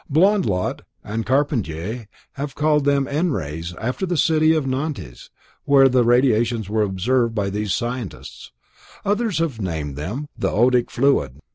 Blondlot and Charpentier have called them N rays after the city of Nantes where the radiations were observed by these scientists, others have named them "The Odic fluid".